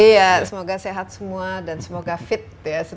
iya semoga sehat semua dan semoga fit ya